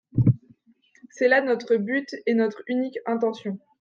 C'était là notre but et notre unique intention.